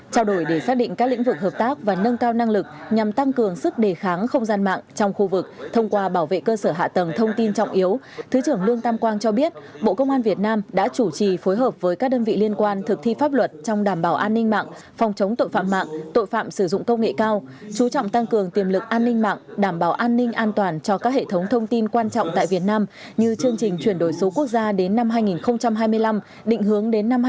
trao đổi để xác định các lĩnh vực hợp tác và nâng cao năng lực nhằm tăng cường sức đề kháng không gian mạng trong khu vực thông qua bảo vệ cơ sở hạ tầng thông tin trọng yếu thứ trưởng lương tam quang cho biết bộ công an việt nam đã chủ trì phối hợp với các đơn vị liên quan thực thi pháp luật trong đảm bảo an ninh mạng phòng chống tội phạm mạng tội phạm sử dụng công nghệ cao chú trọng tăng cường tiềm lực an ninh mạng đảm bảo an ninh an toàn cho các hệ thống thông tin quan trọng tại việt nam như chương trình chuyển đổi số